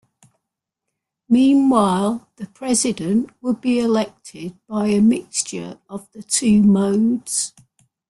Meanwhile, the president would be elected by a mixture of the two modes.